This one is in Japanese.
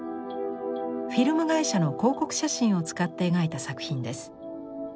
フィルム会社の広告写真を使って描いた作品です。